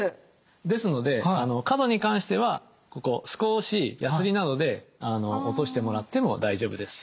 ですので角に関してはここ少しヤスリなどで落としてもらっても大丈夫です。